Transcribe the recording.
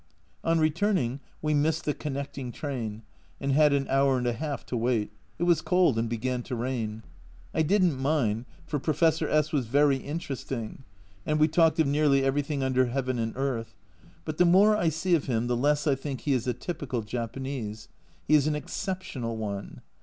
On returning we missed the connecting train and had an hour and a half to wait ; it was cold and began to rain. I didn't mind, for Professor S was very interesting, and we talked of nearly every thing under heaven and earth but the more I see of him the less I think he is a typical Japanese ; he is an exceptional one.